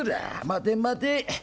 待て待て